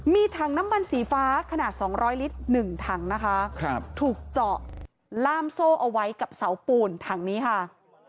มีถังน้ำมันสีฟ้าขนาด๒๐๐ลิตร๑ถังนะคะถูกเจาะล่ามโซ่เอาไว้กับเสาปูนถังนี้ค่ะ